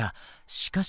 しかし。